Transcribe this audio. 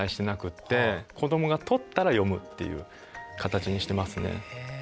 子どもが取ったら読むっていう形にしてますね。